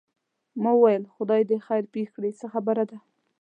ما وویل خدای دې خیر پېښ کړي څه خبره ده.